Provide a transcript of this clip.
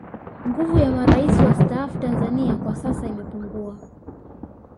nguvu ya marais wastaafu tanzania kwa sasa imepungua